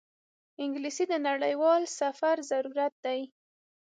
انګلیسي د نړیوال سفر ضرورت دی